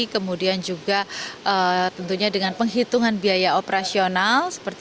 kemudian juga tentunya dengan penghitungan biaya operasional